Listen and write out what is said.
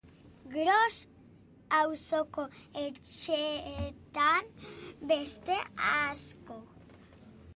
Gros auzoko etxeetan beste asko.